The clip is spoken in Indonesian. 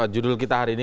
judul kita hari ini